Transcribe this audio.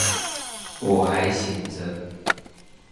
我還醒著